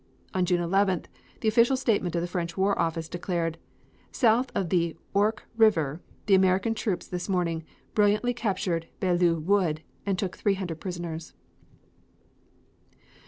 On June 11th the official statement of the French War Office declared: "South of the Ourcq River the American troops this morning brilliantly captured Belleau Wood, and took three hundred prisoners."